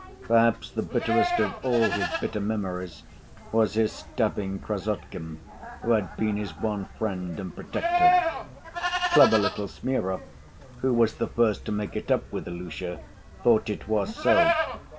Perhaps the bitterest of all his bitter memories was his stabbing Krassotkin, who had been his one friend and protector. Clever little Smurov, who was the first to make it up with Ilusha, thought it was so.